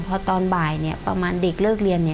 พอตอนบ่ายประมาณเด็กเลิกเรียน